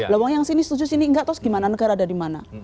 lo yang sini setuju sini nggak terus gimana negara ada di mana